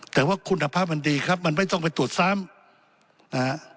แต่ว่าคุณภาพมันดีครับมันไม่ต้องไปตรวจซ้ำนะฮะ